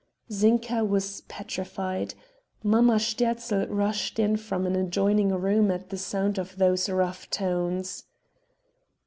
Zinka was petrified. Mamma Sterzl rushed in from an adjoining room at the sound of those rough tones.